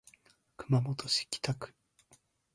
熊本市北区